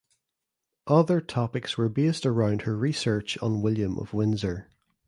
Other topics were based around her research on William of Windsor.